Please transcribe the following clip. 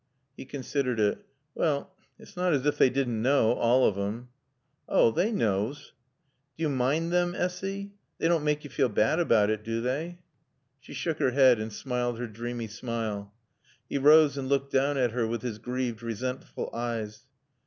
He considered it. "Well it's nat as ef they didn' knaw all of 'em." "Oh they knaws!" "D'yo' mind them, Essy? They dawn't maake yo' feel baad about it, do they?" She shook her head and smiled her dreamy smile. He rose and looked down at her with his grieved, resentful eyes.